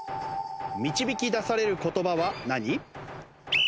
導き出される言葉は何？